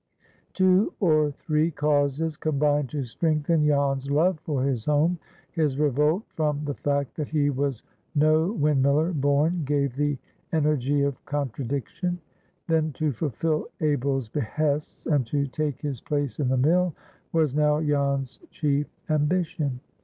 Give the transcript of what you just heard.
Two or three causes combined to strengthen Jan's love for his home. His revolt from the fact that he was no windmiller born gave the energy of contradiction. Then to fulfil Abel's behests, and to take his place in the mill, was now Jan's chief ambition.